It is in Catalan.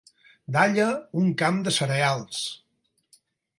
Dalla un camp de cereals.